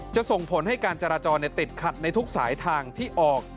ส่งผลให้การจราจรติดขัดในทุกสายทางที่ออก